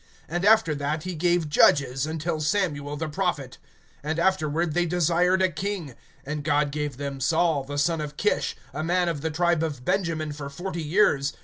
And after that, he gave judges, until Samuel the prophet. (21)And afterward they desired a king; and God gave them Saul the Son of Kish, a man of the tribe of Benjamin, for forty years.